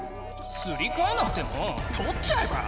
すりかえなくてもとっちゃえば？